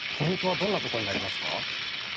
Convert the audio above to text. ポイントはどんなところになりますか？